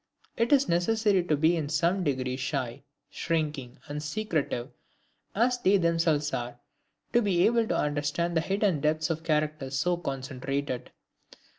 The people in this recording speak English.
It is necessary to be in some degree shy, shrinking, and secretive as they themselves are, to be able to understand the hidden depths of characters so concentrated.